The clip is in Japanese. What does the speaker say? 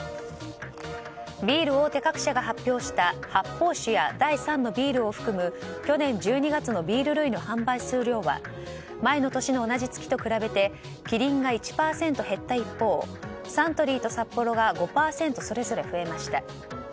ビール大手各社が発表した発泡酒や第３のビールを含む去年１２月のビール類の販売数量は前の年の同じ月と比べてキリンが１％減った一方サントリーとサッポロが５％それぞれ増えました。